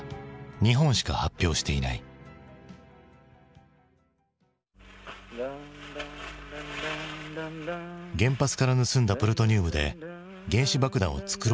原発から盗んだプルトニウムで原子爆弾を作ろうとする主人公。